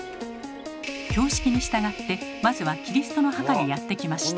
標識に従ってまずはキリストの墓にやって来ました。